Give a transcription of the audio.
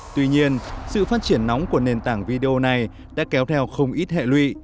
tuy nhiên sự phát triển nóng của nền tảng video này đã kéo theo không ít hệ lụy